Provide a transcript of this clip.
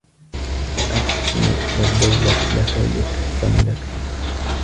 وَأَحْسِنْ وَالدَّوْلَةُ لَك يُحْسَنُ لَك